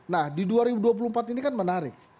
nah di dua ribu dua puluh empat ini kan menarik